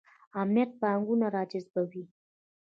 امنیت پانګونه راجذبوي